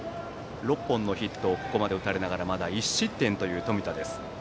６本のヒットをここまで打たれながらまだ１失点という冨田です。